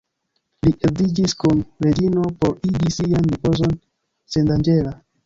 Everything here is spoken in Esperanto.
Li edziĝis kun Reĝino por igi sian ripozon sendanĝera.